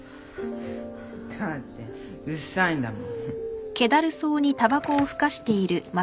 だってうっさいんだもん